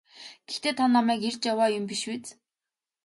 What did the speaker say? Гэхдээ та намайг эрж яваа юм биш биз?